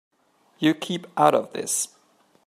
You keep out of this.